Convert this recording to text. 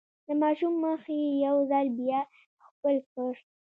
د ماشوم مخ يې يو ځل بيا ښکل کړ.